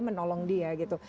menolong dia gitu